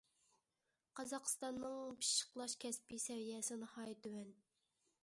قازاقىستاننىڭ پىششىقلاش كەسپى سەۋىيەسى ناھايىتى تۆۋەن.